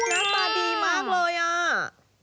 หน้าตาดีมากเลยอ่ะ